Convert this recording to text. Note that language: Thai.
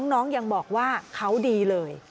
น้องยังบอกว่าเขาดีเลย